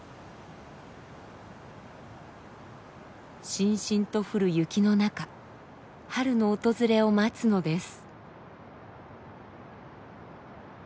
しんしんと降る雪の中春の訪れを待つのです。